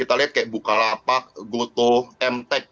kita lihat kayak bukalapak gotoh emtek